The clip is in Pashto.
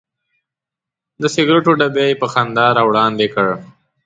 د سګرټو ډبی یې په خندا راوړاندې کړ.